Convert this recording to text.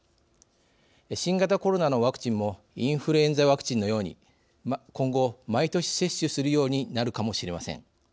新型コロナのワクチンもインフルエンザワクチンのように今後、毎年、接種するようになるかもしれません。